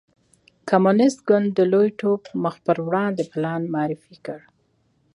کمونېست ګوند د لوی ټوپ مخ په وړاندې پلان معرفي کړ.